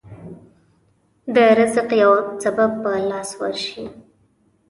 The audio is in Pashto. د رزق يو سبب په لاس ورشي.